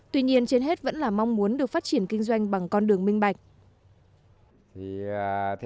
tuy nhiên trên hết vẫn là mong muốn được phát triển kinh doanh bằng con đường minh bạch